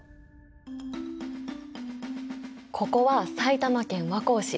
ここは埼玉県和光市。